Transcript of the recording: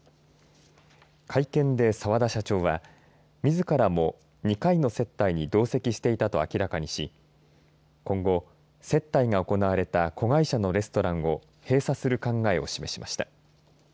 会見で澤田社長はみずからも２回の接待に同席していたと明らかにし今後、接待が行われた子会社のレストランを閉鎖する考えを示しました。